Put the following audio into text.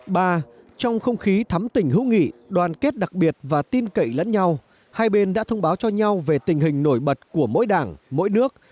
ba trong không khí thắm tỉnh hữu nghị đoàn kết đặc biệt và tin cậy lẫn nhau hai bên đã thông báo cho nhau về tình hình nổi bật của mỗi đảng mỗi nước